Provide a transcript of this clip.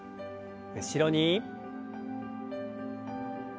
後ろに。